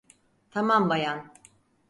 Tamam bayan.